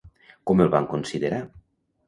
Com el van considerar?